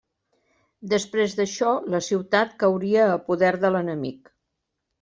Després d'això, la ciutat cauria a poder de l'enemic.